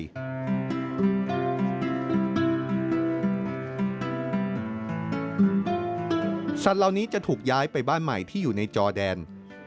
มีสารแล้วนี้จะถูกย้ายไปบ้านใหม่ที่อยู่ในจอดน